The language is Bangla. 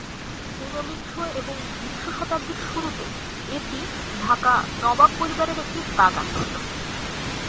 উনবিংশ এবং বিংশ শতাব্দীর শুরুতে এটি ঢাকা নবাব পরিবারের একটি বাগান ছিল।